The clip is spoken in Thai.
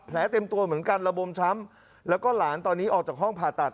เต็มตัวเหมือนกันระบมช้ำแล้วก็หลานตอนนี้ออกจากห้องผ่าตัด